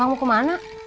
bang kamu ke mana